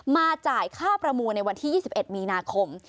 จ่ายค่าประมูลในวันที่๒๑มีนาคม